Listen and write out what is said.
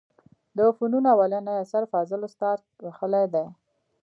د فنونو اولنى اثر فاضل استاد کښلى دئ.